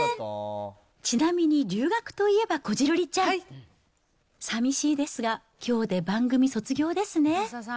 ちなみに留学といえば、こじるりちゃん、さみしいですが、きょうで番組卒業ですね。